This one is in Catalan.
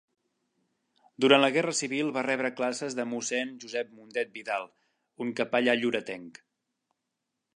Durant la Guerra Civil va rebre classes de Mossèn Josep Mundet Vidal, un capellà lloretenc.